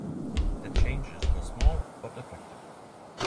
The changes were small, but effective.